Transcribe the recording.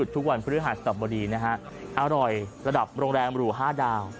ทุกวันพฤหาสตรับบุรีนะฮะอร่อยระดับโรงแรงบรูห้าดาว